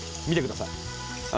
見てください。